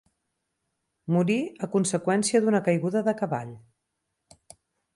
Morí a conseqüència d'una caiguda de cavall.